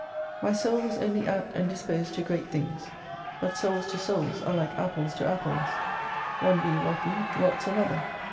My soul was only apt and disposed to great things ; but souls to souls are like apples to apples, one being rotten rots another.